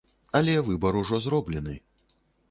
Але выбар ужо зроблены.